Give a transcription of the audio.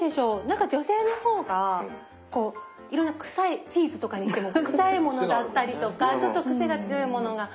何か女性の方がこういろんな臭いチーズとかにしても臭いものだったりとかちょっと癖が強いものが。